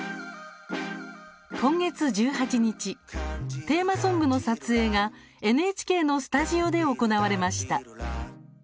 今月１８日テーマソングの撮影が ＮＨＫ のスタジオで行われました。